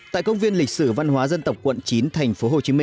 tại công viên lịch sử văn hóa dân tộc quận chín tp hcm